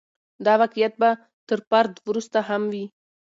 دا واقعیت به تر فرد وروسته هم وي.